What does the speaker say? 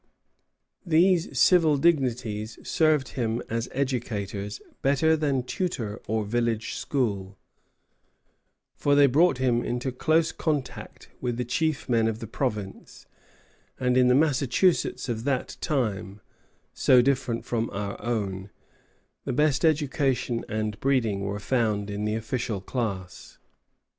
These civil dignities served him as educators better than tutor or village school; for they brought him into close contact with the chief men of the province; and in the Massachusetts of that time, so different from our own, the best education and breeding were found in the official class.